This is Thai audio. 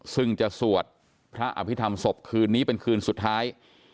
ซึ่งจะสวดพระอภิษฐรรมศพคืนนี้เป็นคืนสุดท้าย